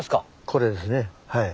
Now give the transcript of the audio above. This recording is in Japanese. これですねはい。